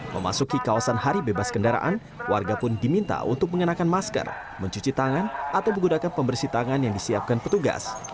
memasuki kawasan hari bebas kendaraan warga pun diminta untuk mengenakan masker mencuci tangan atau menggunakan pembersih tangan yang disiapkan petugas